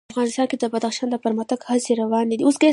افغانستان کې د بدخشان د پرمختګ هڅې روانې دي.